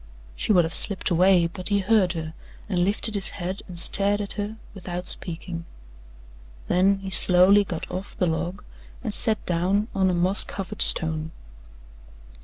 She would have slipped away, but he heard her and lifted his head and stared at her without speaking. Then he slowly got off the log and sat down on a moss covered stone.